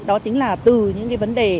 đó chính là từ những cái vấn đề